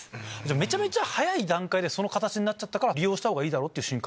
めちゃめちゃ早い段階でその形になっちゃったから利用した方がいいっていう進化？